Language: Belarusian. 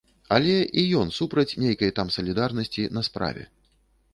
Але і ён супраць нейкай там салідарнасці на справе.